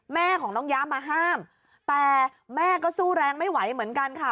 แม่ของน้องย้ามาห้ามแต่แม่ก็สู้แรงไม่ไหวเหมือนกันค่ะ